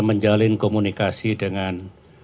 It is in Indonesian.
menjalin komunikasi dengan